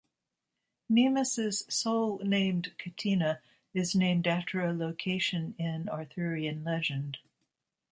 Mimas's sole named catena is named after a location in Arthurian legend.